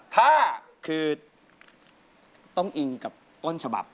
ถ้าคือต้องอิงกับต้นฉบับ